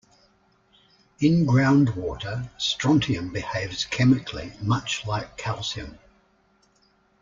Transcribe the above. In groundwater strontium behaves chemically much like calcium.